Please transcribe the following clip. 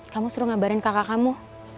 kamu suruh ngabarin kakak kamu